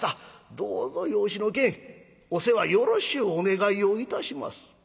どうぞ養子の件お世話よろしゅうお願いをいたします』。